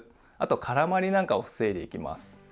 あと絡まりなんかを防いでいきます。